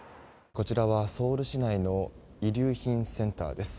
こちらはソウル市内の遺留品センターです。